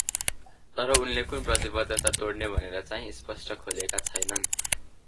तर उनले कुन प्रतिबद्धता तोड्ने भनेर चाहिं स्पष्ट खोलेका छैनन् ।